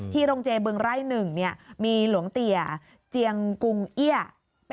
โรงเจบึงไร่๑มีหลวงเตี๋ยเจียงกุงเอี้ย